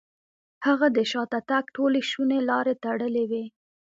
هغه د شاته تګ ټولې شونې لارې تړلې وې.